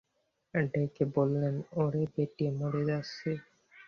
ডেকে বললেন, ওরে বেটি, মরে যাচ্ছি।